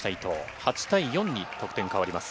８対４に得点変わります。